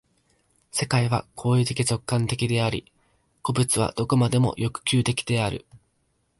世界は行為的直観的であり、個物は何処までも欲求的である。